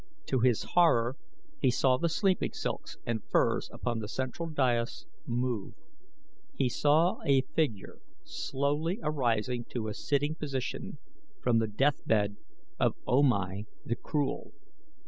To his horror he saw the sleeping silks and furs upon the central dais move. He saw a figure slowly arising to a sitting posture from the death bed of O Mai the Cruel.